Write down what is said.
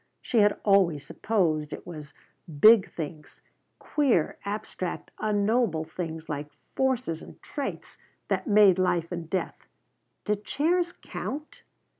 She had always supposed it was big things queer, abstract, unknowable things like forces and traits that made life and death. Did chairs count?